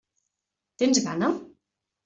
Tens gana?